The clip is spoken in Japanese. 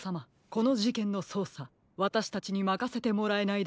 このじけんのそうさわたしたちにまかせてもらえないでしょうか？